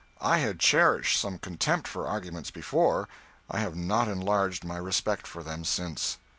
I had cherished some contempt for arguments before, I have not enlarged my respect for them since.